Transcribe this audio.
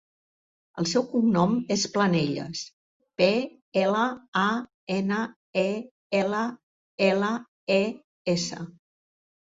El seu cognom és Planelles: pe, ela, a, ena, e, ela, ela, e, essa.